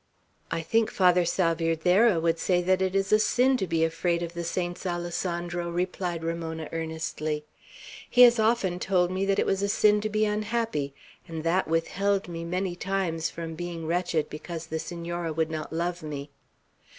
"I think Father Salvierderra would say that it is a sin to be afraid of the saints, Alessandro," replied Ramona, earnestly. "He has often told me that it was a sin to be unhappy; and that withheld me many times from being wretched because the Senora would not love me.